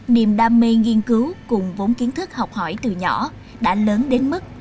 niềm đam mê nghiên cứu cùng vốn kiến thức học hỏi từ nhỏ đã lớn đến mức